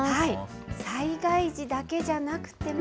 災害時だけじゃなくても。